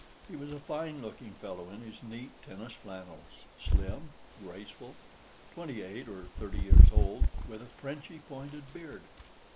He was a fine looking fellow in his neat tennis flannels, slim, graceful, twenty eight or thirty years old, with a Frenchy pointed beard.